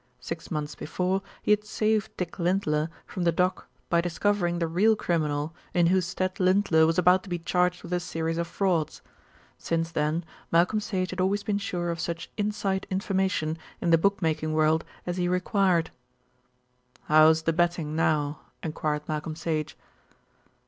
Six months before he had saved Dick Lindler from the dock by discovering the real criminal in whose stead Lindler was about to be charged with a series of frauds. Since then Malcolm Sage had always been sure of such "inside" information in the bookmaking world as he required. "How's the betting now?" enquired Malcolm Sage.